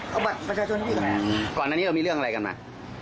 เอาบัตรประชาชนพี่ก่อนนะครับก่อนหน้านี้เรามีเรื่องอะไรกันมา